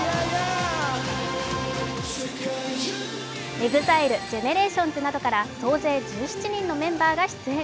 ＥＸＩＬＥ、ＧＥＮＥＲＡＴＩＯＮＳなどから総勢１７人のメンバーが出演。